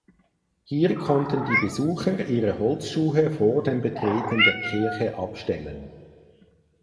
Hier konnten die Besucher ihre Holzschuhe vor dem Betreten der Kirche abstellen.